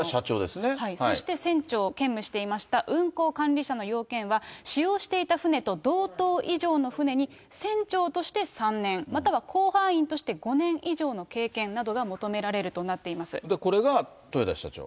そして、船長を兼務していました、運航管理者の要件は、使用していた船と同等以上の船に、船長として３年、または甲板員として５年以上の経験などが求められるとなっていまこれが豊田社長？